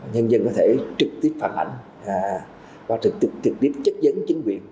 nhân dân có thể trực tiếp phản ảnh và trực tiếp chất dân chính quyền